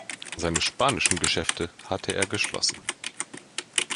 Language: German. Seine spanischen Geschäfte hatte er geschlossen.